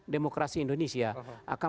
demokrasi indonesia akan